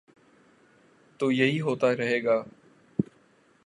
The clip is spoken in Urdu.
تو یہی ہو تا رہے گا۔